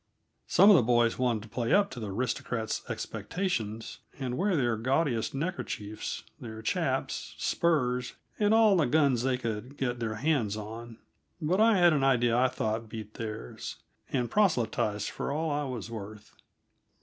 Some of the boys wanted to play up to, the aristocrats' expectations, and wear their gaudiest neckerchiefs, their chaps, spurs, and all the guns they could get their hands on; but I had an idea I thought beat theirs, and proselyted for all I was worth.